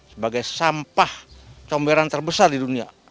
sebagai sampah comberan terbesar di dunia